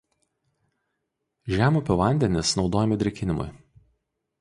Žemupio vandenys naudojami drėkinimui.